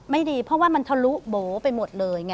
ไม่ดีเพราะว่ามันทะลุโบ๋ไปหมดเลยไง